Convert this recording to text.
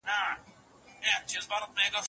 روښانه خبره زړونو ته لار کوي.